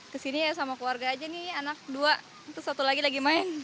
kesini ya sama keluarga aja nih anak dua terus satu lagi lagi main